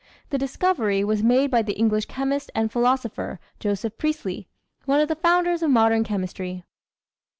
The discovery was made by the English chemist and philosopher, Joseph Priestley, one of the founders of modern chemistry.